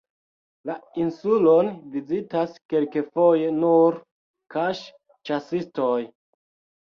La insulon vizitas kelkfoje nur kaŝ-ĉasistoj.